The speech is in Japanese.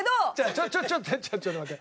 ちょちょちょ哲ちゃんちょっと待って。